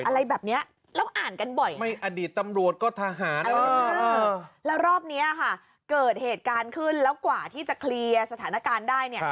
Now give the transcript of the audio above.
แล้วล้อบนี้เกิดเหตุการณ์เค้นน่ะกว่าอยู่ในนี้๒๐๒๒